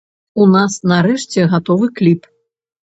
У нас нарэшце гатовы кліп.